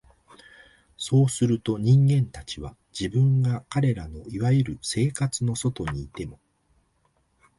そうすると、人間たちは、自分が彼等の所謂「生活」の外にいても、